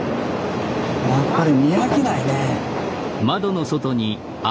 やっぱり見飽きないね。